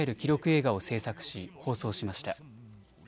映画を制作し放送しました。